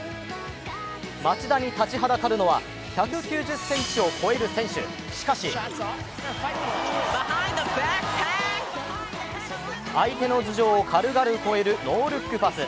町田に立ちはだかるのは１９０ｃｍを超える選手、しかし相手の頭上を軽々越えるノールックパス。